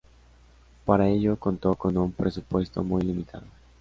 Para ello contó con un presupuesto muy limitado.